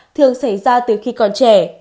thường xảy ra từ khi còn trẻ